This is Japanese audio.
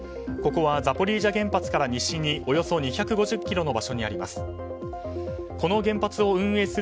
ここはザポリージャ原発から西におよそ２５０ｋｍの場所にあります。